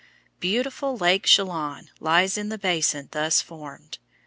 Beautiful Lake Chelan lies in the basin thus formed.